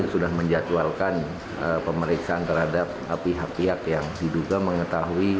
sudah menjatuhalkan pemeriksaan terhadap pihak pihak yang diduga mengetahui